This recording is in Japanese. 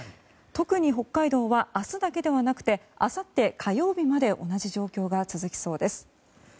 特に北海道は明日だけではなくてあさって火曜日まで同じ状況が続きそうです。